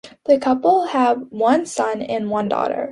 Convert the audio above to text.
The couple have one son and one daughter.